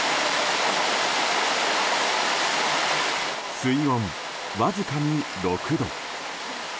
水温、わずかに６度。